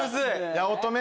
八乙女！